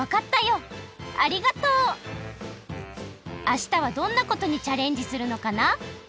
あしたはどんなことにチャレンジするのかな？